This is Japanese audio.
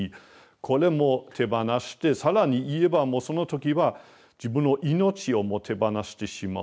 これも手放して更に言えばもうその時は自分の命をも手放してしまう。